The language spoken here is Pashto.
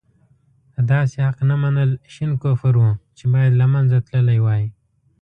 د داسې حق نه منل شين کفر وو چې باید له منځه تللی وای.